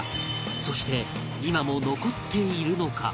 そして今も残っているのか？